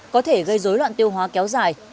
có thể gây dối loạn tiêu hóa kéo dài